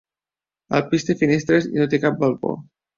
El pis té finestres i no té cap balcó.